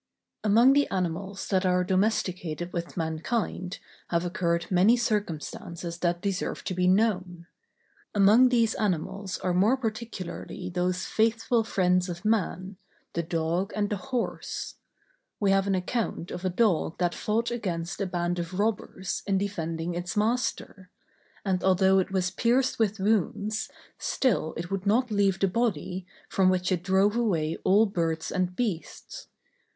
Among the animals that are domesticated with mankind have occurred many circumstances that deserve to be known. Among these animals are more particularly those faithful friends of man, the dog, and the horse. We have an account of a dog that fought against a band of robbers, in defending its master; and although it was pierced with wounds, still it would not leave the body, from which it drove away all birds and beasts.